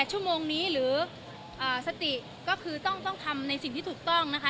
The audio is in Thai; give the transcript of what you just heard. สติก็คือต้องทำในสิ่งที่ถูกต้องนะคะ